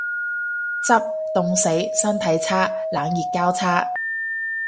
執，凍死。身體差。冷熱交叉